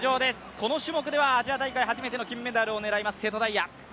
この種目では初めてのメダルを狙います、瀬戸大也。